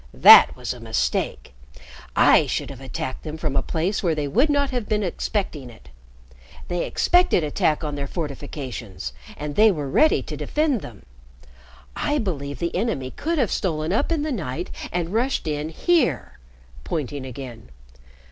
"That was a mistake. I should have attacked them from a place where they would not have been expecting it. They expected attack on their fortifications, and they were ready to defend them. I believe the enemy could have stolen up in the night and rushed in here," pointing again.